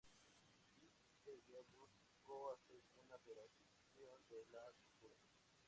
Di Tella busco hacer una "federalización de la cultura".